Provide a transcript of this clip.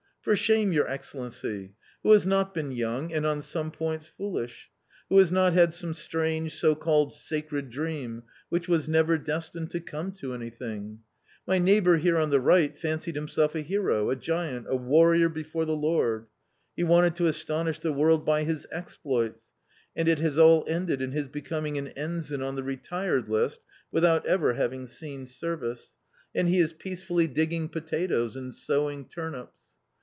for shame, your Excellency ! Who has not been young and, on some points, foolish ? Who has not had some strange, so called ' sacred ' dream which was never destined to come to anything ? My neighbour here on the right fancied himself a hero, a giant, a warrior before the Lord. He wanted to astonish the world by his exploits, and it has all ended in his becoming an ensign on the retired list without ever having seen service ; and he is peacefully 264 A COMMON STORY digging potatoes and sowing turnips.